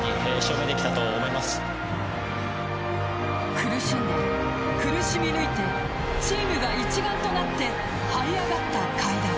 苦しんで苦しみ抜いてチームが一丸となってはい上がった階段。